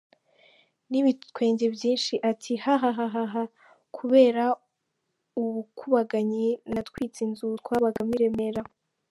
N’ibitwenge byinshi ati “hahahaha…kubera ubukubaganyi natwitse inzu twabagamo i Remera.